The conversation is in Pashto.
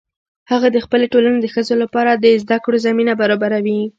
هغه د خپلې ټولنې د ښځو لپاره د زده کړو زمینه برابروي